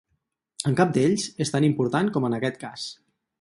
En cap d'ells és tan important com en aquest cas.